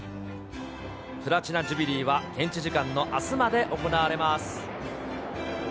プラチナ・ジュビリーは現地時間のあすまで行われます。